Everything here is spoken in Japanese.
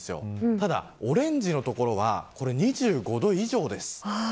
ただ、オレンジの所は２５度以上です。